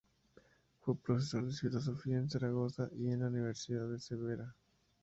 Fue profesor de filosofía en Zaragoza y en la Universidad de Cervera.